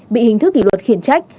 bị hình thức kỷ luật khiển trách